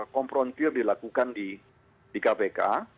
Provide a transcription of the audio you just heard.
komprontir dilakukan di kpk